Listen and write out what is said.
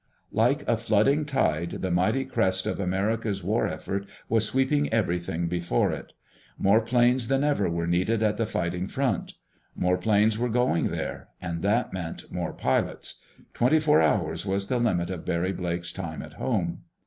Like a flooding tide the mighty crest of America's war effort was sweeping everything before it. More planes than ever were needed at the fighting front. More planes were going there—and that meant more pilots. Twenty four hours was the limit of Barry Blake's time at home.